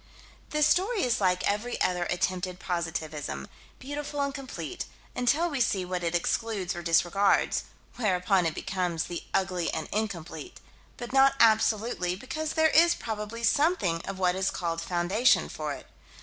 The story is like every other attempted positivism beautiful and complete, until we see what it excludes or disregards; whereupon it becomes the ugly and incomplete but not absolutely, because there is probably something of what is called foundation for it.